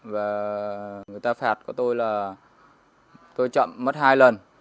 và người ta phạt của tôi là tôi chậm mất hai lần